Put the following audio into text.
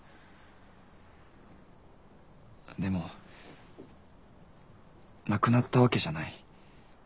でもなくなったわけじゃない。